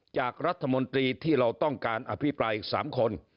จากรัฐมนตรีที่เราต้องการอภิปราย๓คน